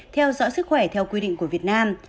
theo dõi sức khỏe theo quy định của việt nam